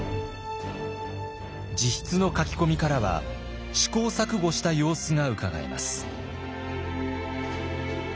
自筆の書き込みからは試行錯誤した様子がうかがえます。